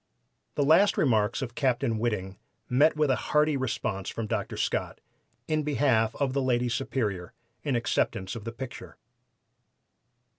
The remarks of Captain Whiting met with a hearty response from Dr. Scott, in behalf of the Lady Superior, in acceptance of the picture.